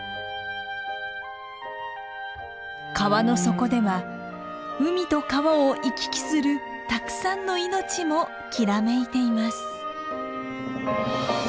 川の底では海と川を行き来するたくさんの命もきらめいています。